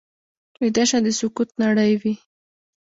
ویده شپه د سکوت نړۍ وي